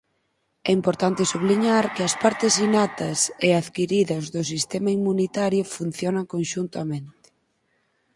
É importante subliñar que as partes innatas e adquiridas do sistema inmunitario funcionan conxuntamente.